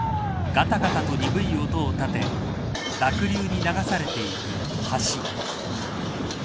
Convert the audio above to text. がたがたと鈍い音を立て濁流に流されていく橋。